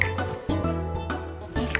itu ada buku cerita